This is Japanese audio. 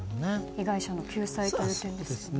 被害者の救済という点ですね。